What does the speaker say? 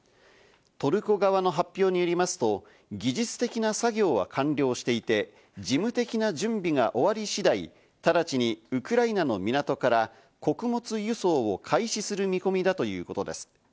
トルコ側の発表によりますと、技術的な作業は完了していて、事務的な準備が終わり次第、直ちにウクライナの港から穀物輸送を開始する見込みだということです。